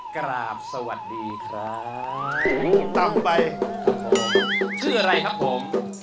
ครับเชิญครับผม